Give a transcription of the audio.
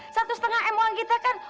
satu setengah em uang kita kan